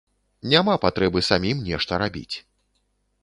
Няма патрэбы самім нешта рабіць.